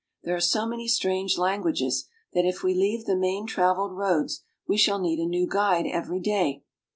There are so many strange languages that if we leave the main traveled roads we shall need a new guide every day.